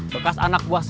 bekas anak buahnya